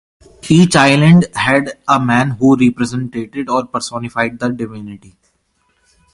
Each island had a man who represented or personified the divinity.